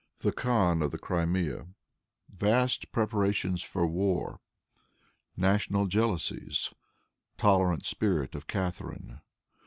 The Khan of the Crimea. Vast Preparations for War. National Jealousies. Tolerant Spirit of Catharine.